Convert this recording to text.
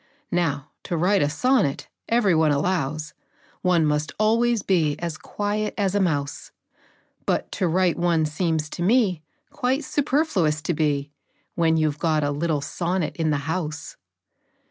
Now, to write a sonnet, every one allows, One must always be as quiet as a mouse; But to write one seems to me Quite superfluous to be, When you 've got a little sonnet in the house.